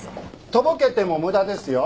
とぼけても無駄ですよ。